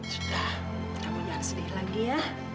sudah kamu jangan sedih lagi ya